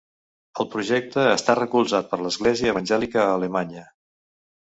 El projecte està recolzat per l'Església Evangèlica a Alemanya.